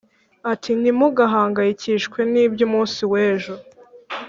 Ati ntimugahangayikishwe n iby umunsi w ejo